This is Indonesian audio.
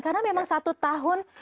karena memang satu tahun